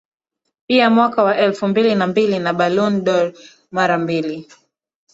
Pia mwaka wa elfu mbili na mbili na Ballon dOr mara mbili